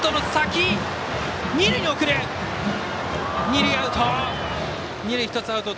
二塁アウト！